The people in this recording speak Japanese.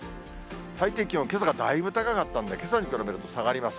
最低気温、けさがだいぶ高かったんで、けさに比べると下がります。